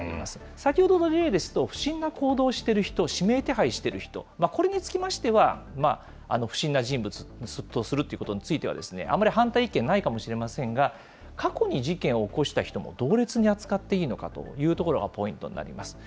先ほどの例ですと、不審な行動をしている人、指名手配している人、これにつきましては、不審な人物とするということについては、あんまり反対意見はないかもしれませんが、過去に事件を起こした人も同列に扱っていいのかというところがポイントになります。